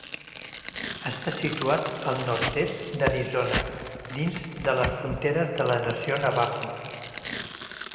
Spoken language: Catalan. Està situat al nord-est d"Arizona dins de les fronteres de la nació Navajo.